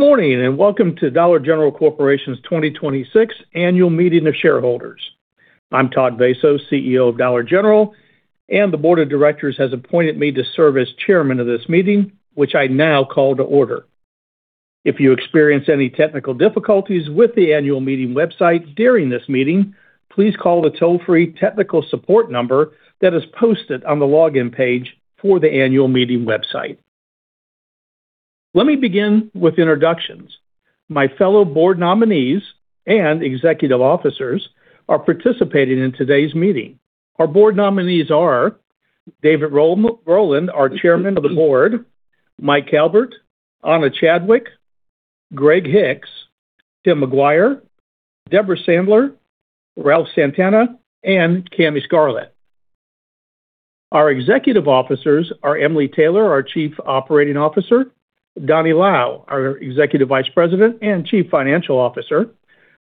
Good morning, and welcome to Dollar General Corporation's 2026 annual meeting of shareholders. I'm Todd Vasos, CEO of Dollar General, and the board of directors has appointed me to serve as Chairman of this meeting, which I now call to order. If you experience any technical difficulties with the annual meeting website during this meeting, please call the toll-free technical support number that is posted on the login page for the annual meeting website. Let me begin with introductions. My fellow board nominees and executive officers are participating in today's meeting. Our board nominees are David Rowland, our Chairman of the board, Mike Calbert, Ana Chadwick, Greg Hicks, Tim McGuire, Debra Sandler, Ralph Santana, and Kamy Scarlett. Our executive officers are Emily Taylor, our Chief Operating Officer, Donny Lau, our Executive Vice President and Chief Financial Officer,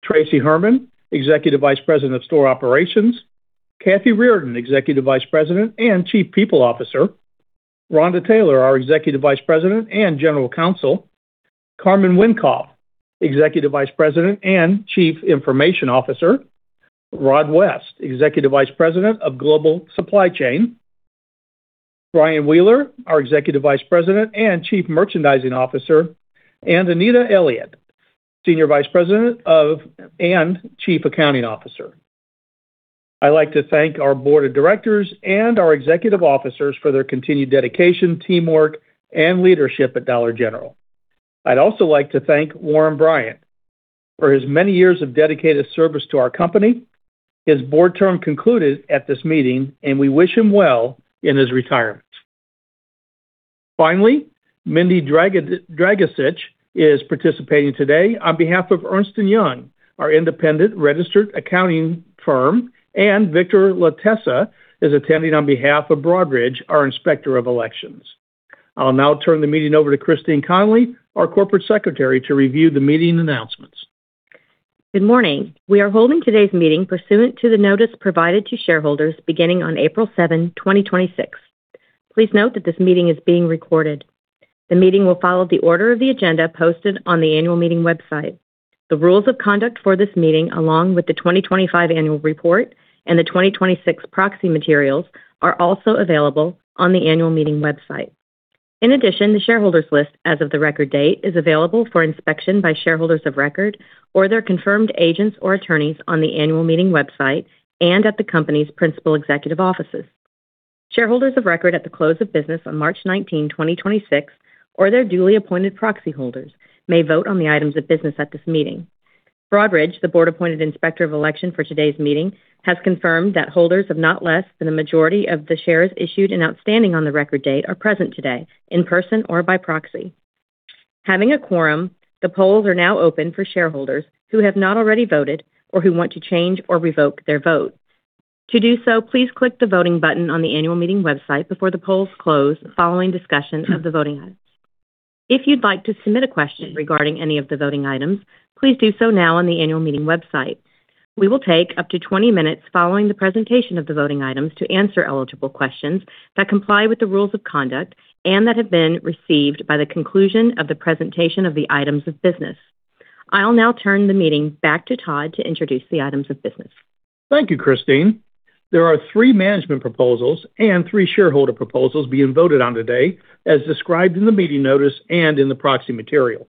Tracey Herrmann, Executive Vice President of Store Operations, Kathy Reardon, Executive Vice President and Chief People Officer, Rhonda Taylor, our Executive Vice President and General Counsel, Carman Wenkoff, Executive Vice President and Chief Information Officer, Rod West, Executive Vice President of Global Supply Chain, Brian Wheeler, our Executive Vice President and Chief Merchandising Officer, and Anita Elliott, Senior Vice President and Chief Accounting Officer. I'd like to thank our board of directors and our executive officers for their continued dedication, teamwork, and leadership at Dollar General. I'd also like to thank Warren Bryant for his many years of dedicated service to our company. His board term concluded at this meeting, and we wish him well in his retirement. Finally, Mindy Dragisich is participating today on behalf of Ernst & Young, our independent registered accounting firm, and Victor Latessa is attending on behalf of Broadridge, our inspector of elections. I'll now turn the meeting over to Christine Connolly, our Corporate Secretary, to review the meeting announcements. Good morning. We are holding today's meeting pursuant to the notice provided to shareholders beginning on April 7th, 2026. Please note that this meeting is being recorded. The meeting will follow the order of the agenda posted on the annual meeting website. The rules of conduct for this meeting, along with the 2025 annual report and the 2026 proxy materials, are also available on the annual meeting website. In addition, the shareholders list as of the record date is available for inspection by shareholders of record or their confirmed agents or attorneys on the annual meeting website and at the company's principal executive offices. Shareholders of record at the close of business on March 19, 2026, or their duly appointed proxy holders may vote on the items of business at this meeting. Broadridge, the board-appointed inspector of election for today's meeting, has confirmed that holders of not less than a majority of the shares issued and outstanding on the record date are present today in person or by proxy. Having a quorum, the polls are now open for shareholders who have not already voted or who want to change or revoke their vote. To do so, please click the voting button on the annual meeting website before the polls close following discussion of the voting items. If you'd like to submit a question regarding any of the voting items, please do so now on the annual meeting website. We will take up to 20 minutes following the presentation of the voting items to answer eligible questions that comply with the rules of conduct and that have been received by the conclusion of the presentation of the items of business. I'll now turn the meeting back to Todd to introduce the items of business. Thank you, Christine. There are three management proposals and three shareholder proposals being voted on today, as described in the meeting notice and in the proxy material.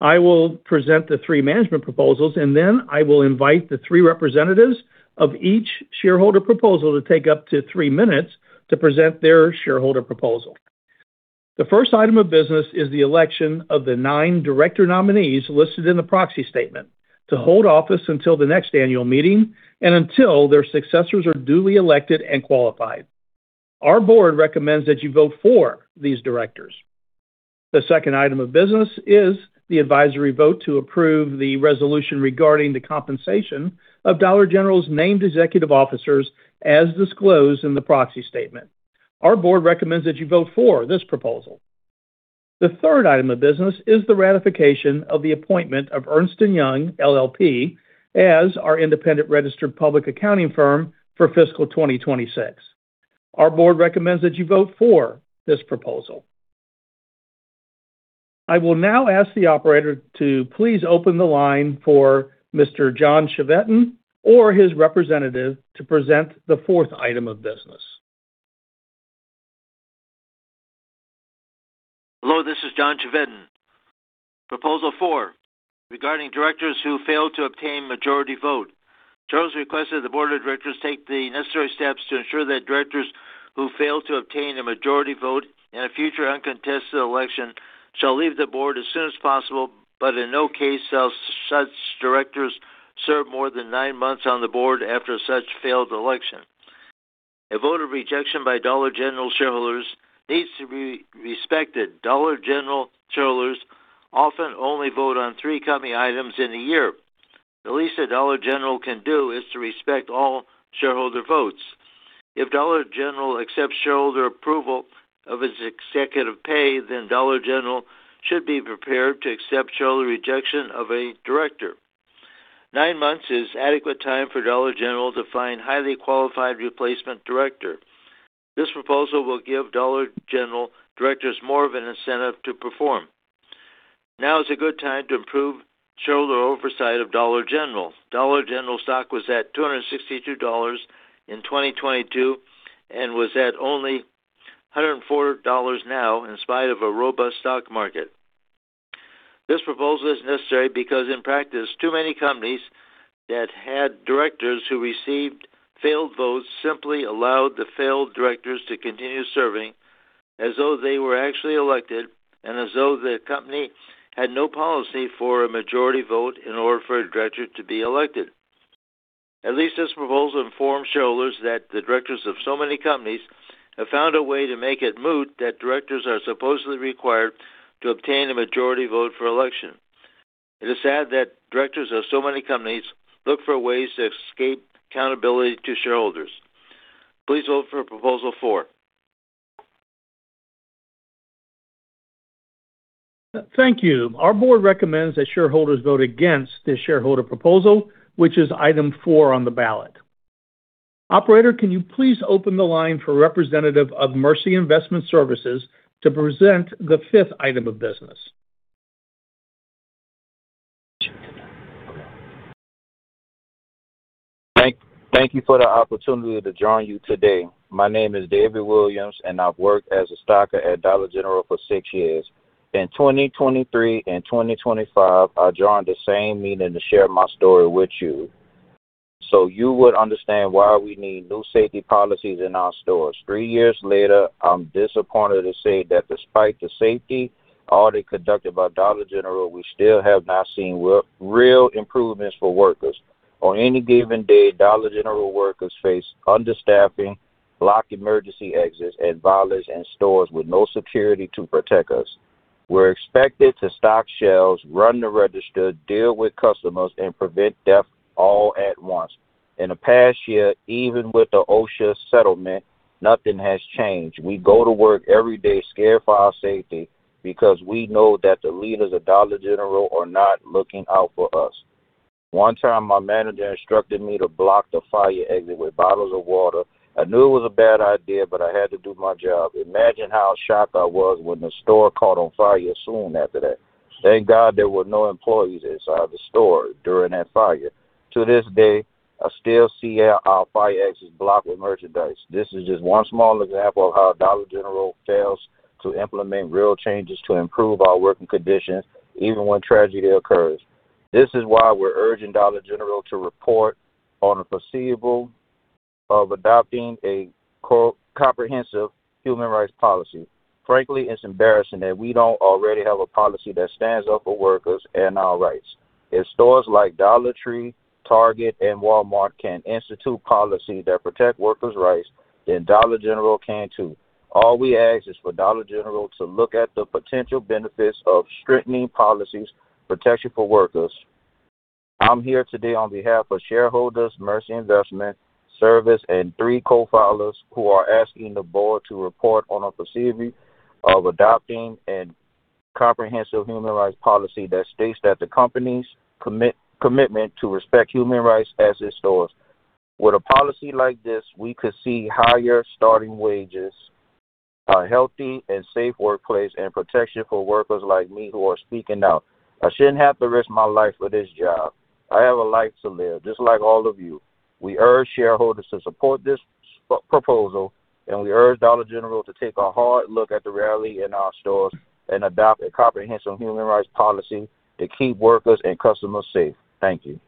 I will present the three management proposals, and then I will invite the three representatives of each shareholder proposal to take up to three minutes to present their shareholder proposal. The first item of business is the election of the nine director nominees listed in the proxy statement to hold office until the next annual meeting and until their successors are duly elected and qualified. Our board recommends that you vote for these directors. The second item of business is the advisory vote to approve the resolution regarding the compensation of Dollar General's named executive officers as disclosed in the proxy statement. Our board recommends that you vote for this proposal. The third item of business is the ratification of the appointment of Ernst & Young LLP as our independent registered public accounting firm for fiscal 2026. Our board recommends that you vote for this proposal. I will now ask the operator to please open the line for Mr. John Chevedden or his representative to present the fourth item of business. Hello, this is John Chevedden. Proposal four, regarding directors who fail to obtain majority vote. Charles requested the board of directors take the necessary steps to ensure that directors who fail to obtain a majority vote in a future uncontested election shall leave the board as soon as possible, but in no case shall such directors serve more than nine months on the board after such failed election. A vote of rejection by Dollar General shareholders needs to be respected. Dollar General shareholders often only vote on three company items in a year. The least that Dollar General can do is to respect all shareholder votes. If Dollar General accepts shareholder approval of its executive pay, then Dollar General should be prepared to accept shareholder rejection of a director. Nine months is adequate time for Dollar General to find highly qualified replacement director. This proposal will give Dollar General directors more of an incentive to perform. Now is a good time to improve shareholder oversight of Dollar General. Dollar General stock was at $262 in 2022 and was at only $104 now in spite of a robust stock market. This proposal is necessary because, in practice, too many companies that had directors who received failed votes simply allowed the failed directors to continue serving as though they were actually elected and as though the company had no policy for a majority vote in order for a director to be elected. At least this proposal informs shareholders that the directors of so many companies have found a way to make it moot that directors are supposedly required to obtain a majority vote for election. It is sad that directors of so many companies look for ways to escape accountability to shareholders. Please vote for proposal four. Thank you. Our board recommends that shareholders vote against this shareholder proposal, which is item four on the ballot. Operator, can you please open the line for a representative of Mercy Investment Services to present the fifth item of business? Thank you for the opportunity to join you today. My name is David Williams, and I've worked as a stocker at Dollar General for six years. In 2023 and 2025, I joined the same meeting to share my story with you so you would understand why we need new safety policies in our stores. Three years later, I'm disappointed to say that despite the safety audit conducted by Dollar General, we still have not seen real improvements for workers. On any given day, Dollar General workers face understaffing, blocked emergency exits, and violence in stores with no security to protect us. We're expected to stock shelves, run the register, deal with customers, and prevent theft all at once. In the past year, even with the OSHA settlement, nothing has changed. We go to work every day scared for our safety because we know that the leaders of Dollar General are not looking out for us. One time, my manager instructed me to block the fire exit with bottles of water. I knew it was a bad idea, but I had to do my job. Imagine how shocked I was when the store caught on fire soon after that. Thank God there were no employees inside the store during that fire. To this day, I still see our fire exits blocked with merchandise. This is just one small example of how Dollar General fails to implement real changes to improve our working conditions, even when tragedy occurs. This is why we're urging Dollar General to report on the feasibility of adopting a comprehensive human rights policy. Frankly, it's embarrassing that we don't already have a policy that stands up for workers and our rights. If stores like Dollar Tree, Target, and Walmart can institute policies that protect workers' rights, then Dollar General can, too. All we ask is for Dollar General to look at the potential benefits of strengthening policies protection for workers. I'm here today on behalf of shareholders, Mercy Investment Services, and three co-filers who are asking the board to report on the feasibility of adopting a comprehensive human rights policy that states that the company's commitment to respect human rights at its stores. With a policy like this, we could see higher starting wages, a healthy and safe workplace, and protection for workers like me who are speaking out. I shouldn't have to risk my life for this job. I have a life to live, just like all of you. We urge shareholders to support this proposal, and we urge Dollar General to take a hard look at the reality in our stores and adopt a comprehensive human rights policy to keep workers and customers safe. Thank you.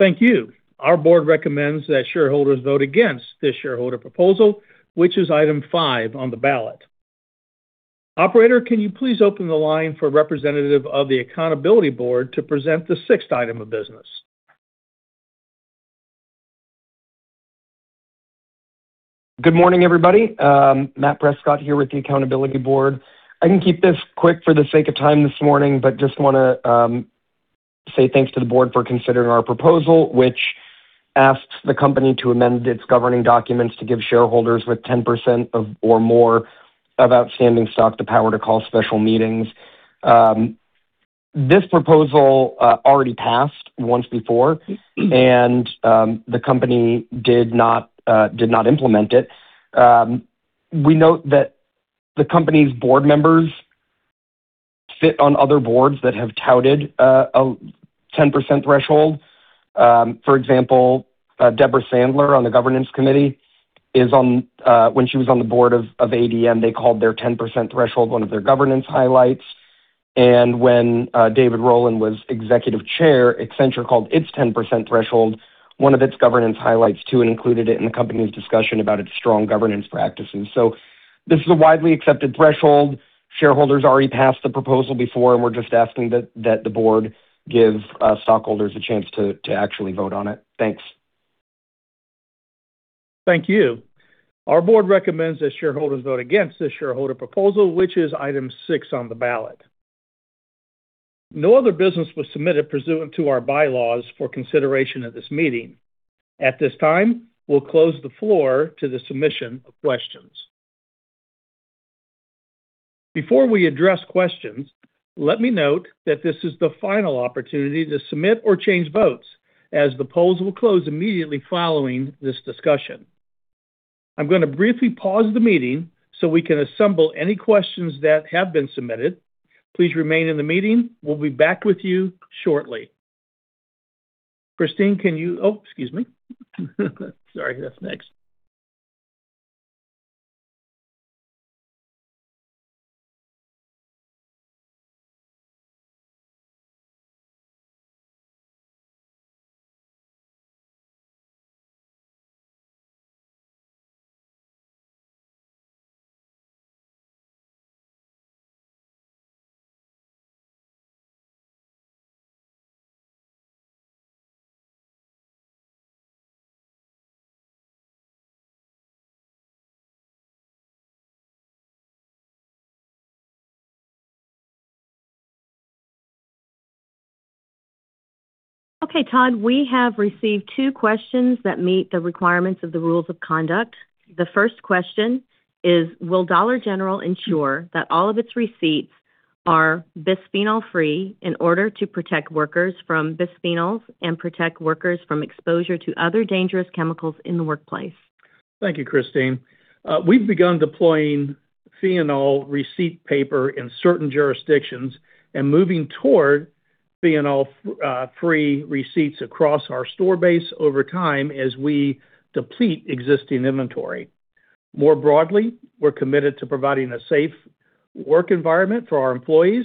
Thank you. Our board recommends that shareholders vote against this shareholder proposal, which is item five on the ballot. Operator, can you please open the line for a representative of The Accountability Board to present the sixth item of business? Good morning, everybody. Matt Prescott here with The Accountability Board. Just want to say thanks to the board for considering our proposal, which asks the company to amend its governing documents to give shareholders with 10% or more of outstanding stock the power to call special meetings. This proposal already passed once before. The company did not implement it. We note that the company's board members sit on other boards that have touted a 10% threshold. For example, Debra Sandler on the governance committee, when she was on the board of ADM, they called their 10% threshold one of their governance highlights. When David Rowland was executive chair, Accenture called its 10% threshold one of its governance highlights, too, and included it in the company's discussion about its strong governance practices. This is a widely accepted threshold. Shareholders already passed the proposal before, and we're just asking that the Board give stockholders a chance to actually vote on it. Thanks. Thank you. Our board recommends that shareholders vote against this shareholder proposal, which is item six on the ballot. No other business was submitted pursuant to our bylaws for consideration at this meeting. At this time, we'll close the floor to the submission of questions. Before we address questions, let me note that this is the final opportunity to submit or change votes, as the polls will close immediately following this discussion. I'm going to briefly pause the meeting so we can assemble any questions that have been submitted. Please remain in the meeting. We'll be back with you shortly. Christine. Oh, excuse me. Sorry, that's next. Okay, Todd, we have received two questions that meet the requirements of the rules of conduct. The first question is, will Dollar General ensure that all of its receipts are bisphenol-free in order to protect workers from bisphenols and protect workers from exposure to other dangerous chemicals in the workplace? Thank you, Christine. We've begun deploying phenol-free receipt paper in certain jurisdictions and moving toward phenol-free receipts across our store base over time as we deplete existing inventory. More broadly, we're committed to providing a safe work environment for our employees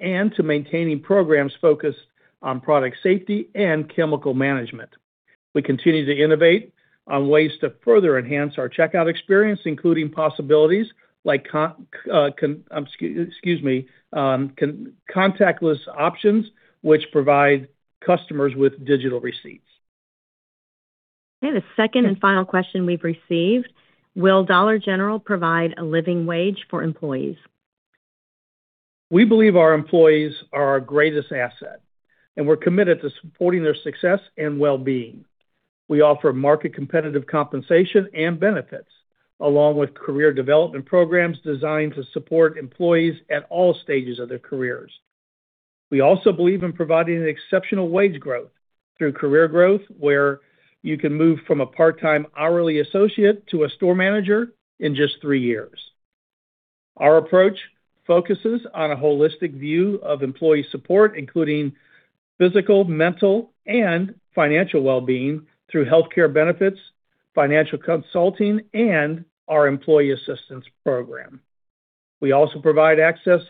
and to maintaining programs focused on product safety and chemical management. We continue to innovate on ways to further enhance our checkout experience, including possibilities like, excuse me, contactless options, which provide customers with digital receipts. Okay, the second and final question we've received, will Dollar General provide a living wage for employees? We believe our employees are our greatest asset, and we're committed to supporting their success and well-being. We offer market-competitive compensation and benefits, along with career development programs designed to support employees at all stages of their careers. We also believe in providing exceptional wage growth through career growth, where you can move from a part-time hourly associate to a store manager in just three years. Our approach focuses on a holistic view of employee support, including physical, mental, and financial well-being through healthcare benefits, financial consulting, and our employee assistance program. We also provide access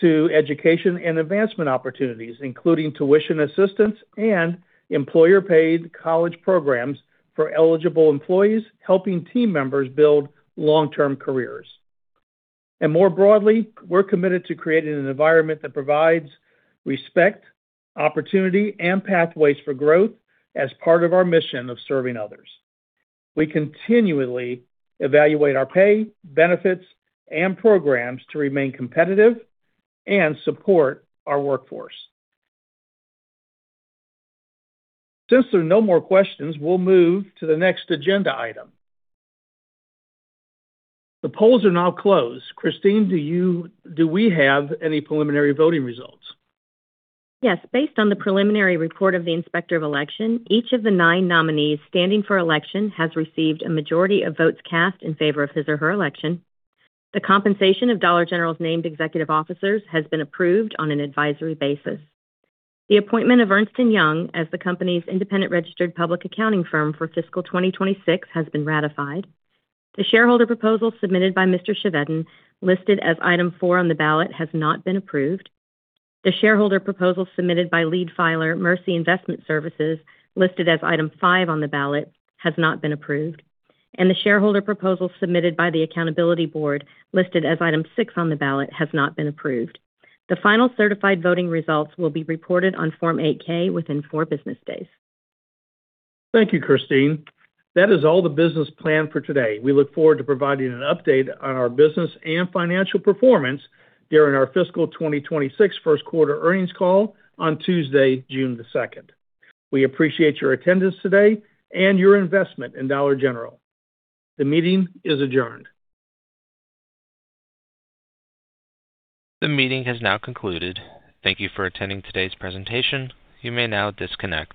to education and advancement opportunities, including tuition assistance and employer-paid college programs for eligible employees, helping team members build long-term careers. More broadly, we're committed to creating an environment that provides respect, opportunity, and pathways for growth as part of our mission of serving others. We continually evaluate our pay, benefits, and programs to remain competitive and support our workforce. Since there are no more questions, we'll move to the next agenda item. The polls are now closed. Christine, do we have any preliminary voting results? Yes. Based on the preliminary report of the Inspector of Election, each of the nine nominees standing for election has received a majority of votes cast in favor of his or her election. The compensation of Dollar General's named executive officers has been approved on an advisory basis. The appointment of Ernst & Young as the company's independent registered public accounting firm for fiscal 2026 has been ratified. The shareholder proposal submitted by Mr. Chevedden, listed as item four on the ballot, has not been approved. The shareholder proposal submitted by lead filer Mercy Investment Services, listed as item five on the ballot, has not been approved. The shareholder proposal submitted by The Accountability Board, listed as item six on the ballot, has not been approved. The final certified voting results will be reported on Form 8-K within four business days. Thank you, Christine. That is all the business planned for today. We look forward to providing an update on our business and financial performance during our fiscal 2026 first quarter earnings call on Tuesday, June 2nd. We appreciate your attendance today and your investment in Dollar General. The meeting is adjourned. The meeting has now concluded. Thank you for attending today's presentation. You may now disconnect.